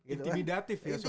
intimidatif ya suasana